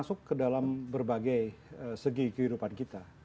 masuk ke dalam berbagai segi kehidupan kita